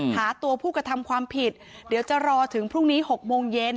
หาตัวผู้กระทำความผิดเดี๋ยวจะรอถึงพรุ่งนี้๖โมงเย็น